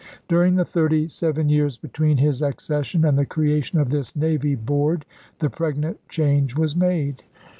During the thirty seven years between his accession and the creation of this Navy Board the pregnant change was made.